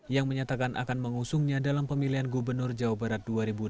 yang menyatakan akan mengusungnya dalam pemilihan gubernur jawa barat dua ribu delapan belas